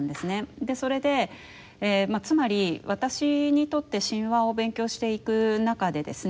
それでつまり私にとって神話を勉強していく中でですね